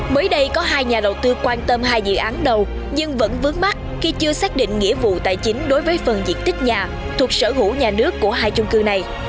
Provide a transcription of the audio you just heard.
mới đây có hai nhà đầu tư quan tâm hai dự án đầu nhưng vẫn vướng mắt khi chưa xác định nghĩa vụ tài chính đối với phần diện tích nhà thuộc sở hữu nhà nước của hai chung cư này